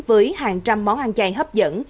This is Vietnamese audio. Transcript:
với hàng trăm món ăn chay hấp dẫn